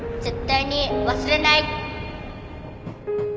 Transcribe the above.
絶対に忘れない